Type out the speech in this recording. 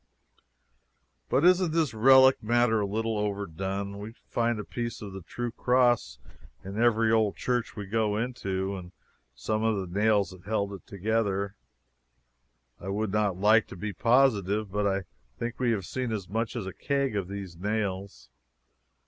But isn't this relic matter a little overdone? We find a piece of the true cross in every old church we go into, and some of the nails that held it together. I would not like to be positive, but I think we have seen as much as a keg of these nails.